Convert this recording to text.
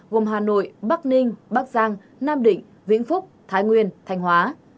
gồm hà nội bắc ninh bắc giang nam định vĩnh phúc thái nguyên thanh hóa